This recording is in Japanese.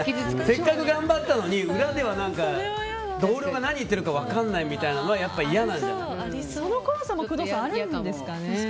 せっかく頑張ったのに裏では同僚が何言ってるか分からないみたいなのはその怖さもあるんですかね